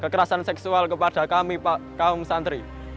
kekerasan seksual kepada kami pak kaum santri